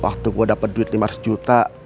waktu gue dapet duit lima ratus juta